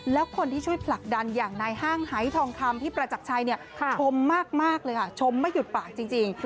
แล้วคนที่ช่วยผลักดันอย่างนายห้างไฮทองคำพี่ประจักรชัยเนี่ยชมมากเลยค่ะชมไม่หยุดปากจริง